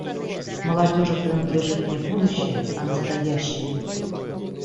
Молодежи принадлежит не будущее, а настоящее.